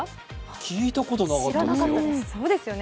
聞いたことなかったですよ。